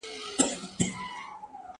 کېدای سي خبري ګڼه وي!!